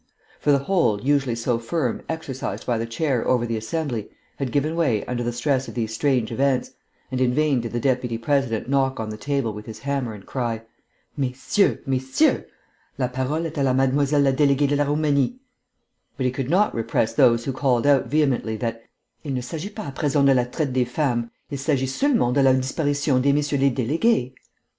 For the hold, usually so firm, exercised by the chair over the Assembly, had given way under the stress of these strange events, and in vain did the Deputy President knock on the table with his hammer and cry "Messieurs! Messieurs! La parole est à Mademoiselle la Déléguée de la Roumanie!" But he could not repress those who called out vehemently that "Il ne s'agit pas à present de la traite des femmes; il s'agit seulement de la disparition de Messieurs les Délégués!"